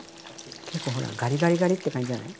結構ほらガリガリガリッて感じじゃない？